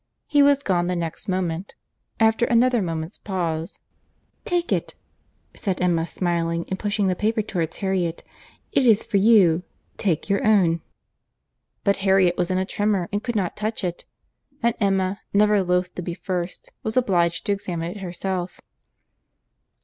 He was gone the next moment:—after another moment's pause, "Take it," said Emma, smiling, and pushing the paper towards Harriet—"it is for you. Take your own." But Harriet was in a tremor, and could not touch it; and Emma, never loth to be first, was obliged to examine it herself.